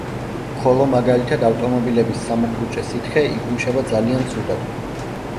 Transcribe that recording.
ხოლო მაგალითად, ავტომობილების სამუხრუჭე სითხე, იკუმშება ძალიან ცუდად.